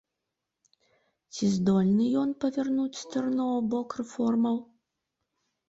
Ці здольны ён павярнуць стырно ў бок рэформаў?